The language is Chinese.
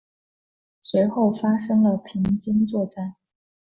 随后发生了平津作战。